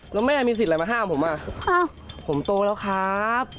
แล้วแม่มีสิทธิ์อะไรมาห้ามผมอ่ะผมโตแล้วครับ